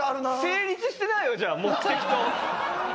成立してないよじゃあ目的と。